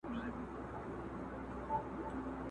تا ویل د بنده ګانو نګهبان یم،